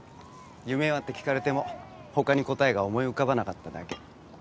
「夢は？」って聞かれても他に答えが思い浮かばなかっただけ。